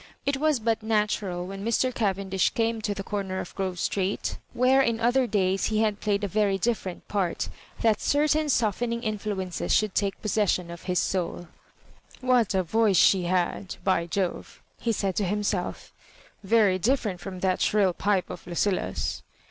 It was but natural when Mr. Cavendish came to the comer of Grove Street, Digitized by VjOOQIC HISS MABJOBIBANEa 161 where, in other days, he had played a very dif ferent part, that certain soflening influences Bhould take pofisession of his soul. " What a voice she had, by Jove 1 " he said to himself; " very diflfer ent from that shrill pipe of Lucilla's."